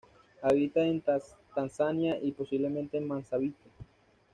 Habita en Tanzania y posiblemente Mozambique.